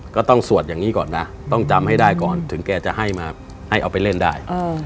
สวดอย่างนี้ก่อนนะต้องจำให้ได้ก่อนถึงแกจะให้มาให้เอาไปเล่นได้